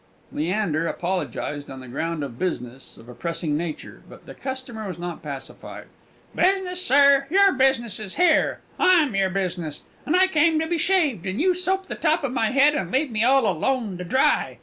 Leander apologized on the ground of business of a pressing nature, but the customer was not pacified. "Business, sir! your business is here: I'm your business! And I come to be shaved, and you soap the top of my head, and leave me all alone to dry!